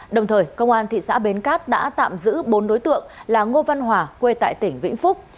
đồng thời công an thị xã bến cát đã tạm giữ bốn đối tượng là ngô văn hòa quê tại tỉnh vĩnh phúc